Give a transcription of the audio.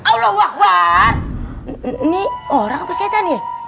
allah amoi ni orang peserta